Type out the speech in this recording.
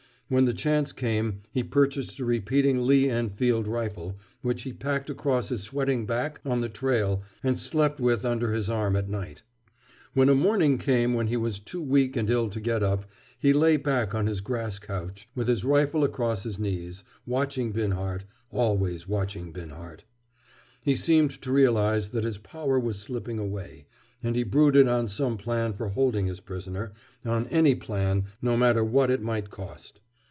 When the chance came, he purchased a repeating Lee Enfield rifle, which he packed across his sweating back on the trail and slept with under his arm at night. When a morning came when he was too weak and ill to get up, he lay back on his grass couch, with his rifle across his knees, watching Binhart, always watching Binhart. He seemed to realize that his power was slipping away, and he brooded on some plan for holding his prisoner, on any plan, no matter what it might cost.